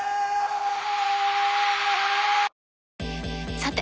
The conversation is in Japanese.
さて！